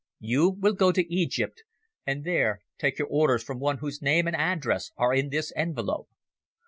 "You will go to Egypt and there take your orders from one whose name and address are in this envelope.